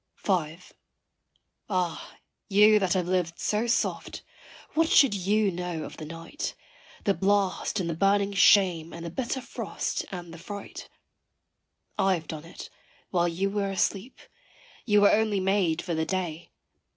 V. Ah you, that have lived so soft, what should you know of the night, The blast and the burning shame and the bitter frost and the fright? I have done it, while you were asleep you were only made for the day.